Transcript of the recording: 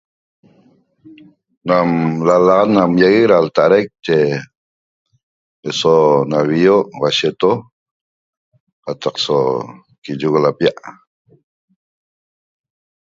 Nam lalaxat nam ýaguec da lta'adaic nache eso navio' huashiito qataq so quiyoc lapia'